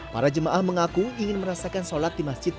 para jemaah mengaku ingin merasakan sholat di masjid